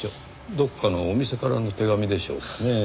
どこかのお店からの手紙でしょうかねぇ？